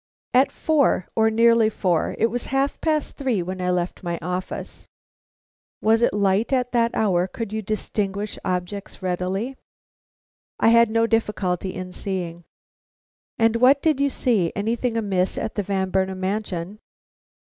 "At four, or nearly four. It was half past three when I left my office." "Was it light at that hour? Could you distinguish objects readily?" "I had no difficulty in seeing." "And what did you see? Anything amiss at the Van Burnam mansion?"